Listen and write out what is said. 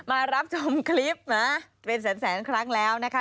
มารับชมคลิปนะเป็นแสนครั้งแล้วนะคะ